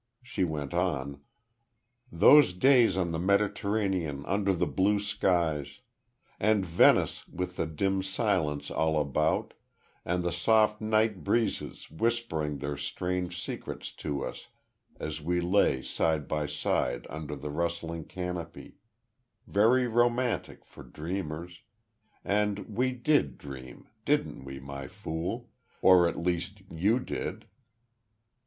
She went on: "Those days on the Mediterranean, under the blue skies. And Venice, with the dim silence all about, and the soft night breezes whispering their strange secrets to us as we lay side by side under the rustling canopy very romantic, for dreamers and we did dream didn't we, My Fool? at least, you did."